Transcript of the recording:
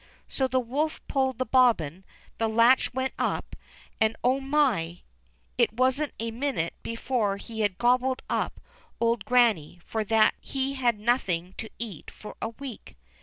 So the wolf pulled the bobbin, the latch went up, and oh my ! It wasn't a minute before he had gobbled up old Grannie, for he had had nothing to eat for a week.